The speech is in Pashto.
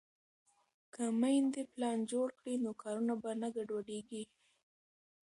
که میندې پلان جوړ کړي نو کارونه به نه ګډوډېږي.